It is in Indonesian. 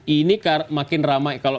ini makin ramai